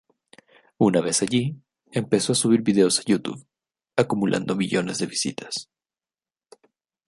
Una vez allí, empezó a subir videos a YouTube, acumulando millones de visitas.